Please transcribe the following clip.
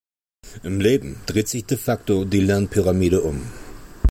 Im Leben dreht sich de facto die Lernpyramide um.